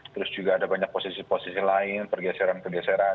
terus juga ada banyak posisi posisi lain pergeseran pergeseran